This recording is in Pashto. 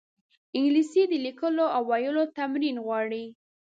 انګلیسي د لیکلو او ویلو تمرین غواړي